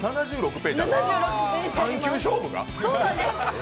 ３球勝負が？